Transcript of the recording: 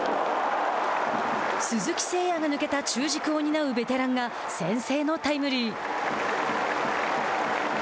鈴木誠也が抜けた中軸を担うベテランが先制のタイムリー。